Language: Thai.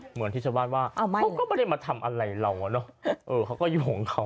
เหมือนที่ชาวบ้านว่าเขาก็ไม่ได้มาทำอะไรเราอะเนาะเขาก็อยู่ของเขา